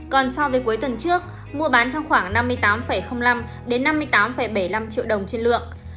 còn so với cuối tuần trước mua bán trong khoảng năm mươi tám năm đến năm mươi tám bảy mươi năm triệu đồng trên lượng